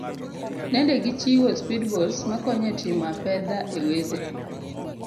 Nende gichiwo speed boats makonyo etimo apedha ewedhe.